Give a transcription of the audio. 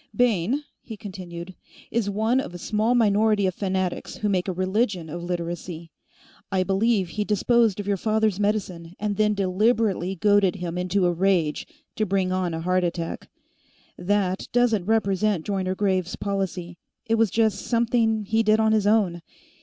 "Bayne," he continued, "is one of a small minority of fanatics who make a religion of Literacy. I believe he disposed of your father's medicine, and then deliberately goaded him into a rage to bring on a heart attack. That doesn't represent Joyner Graves policy; it was just something he did on his own.